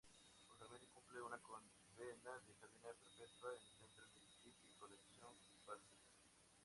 Actualmente cumple una condena de cadena perpetua en Central Mississippi Correctional Facility.